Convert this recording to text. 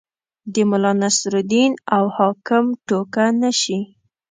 د ملا نصرالدین او حاکم ټوکه نه شي.